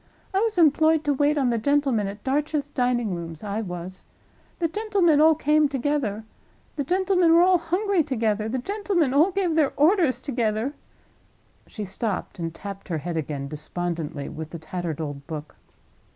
"I was employed to wait on the gentlemen at Darch's Dining rooms—I was. The gentlemen all came together; the gentlemen were all hungry together; the gentlemen all gave their orders together—" She stopped, and tapped her head again, despondently, with the tattered old book.